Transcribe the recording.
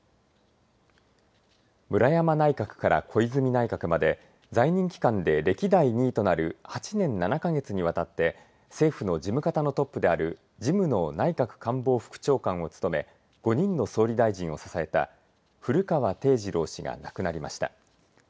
村山内閣から小泉内閣まで在任期間で歴代２位となる８年７か月にわたって政府の事務方のトップである事務の内閣官房副長官を務め５人の総理大臣を支えた古川貞二郎氏が亡くなりました。